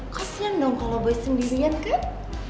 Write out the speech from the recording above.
kasian dong kalau boleh sendirian kan